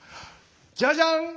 ジャジャン！